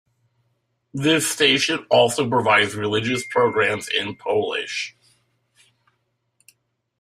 The station also provides religious programs in Polish.